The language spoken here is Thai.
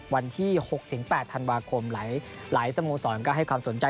วันที่๖๘ธันวาคมหลายสโมสรก็ให้ความสนใจ